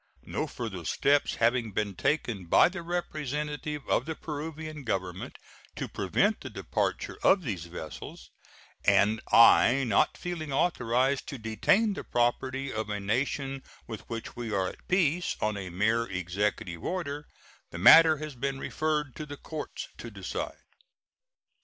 No further steps having been taken by the representative of the Peruvian Government to prevent the departure of these vessels, and I not feeling authorized to detain the property of a nation with which we are at peace on a mere Executive order, the matter has been referred to the courts to decide.